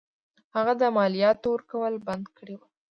هغه د مالیاتو ورکول بند کړي وه.